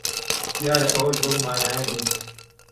دیارە ئەوەش بەو مانایە دێت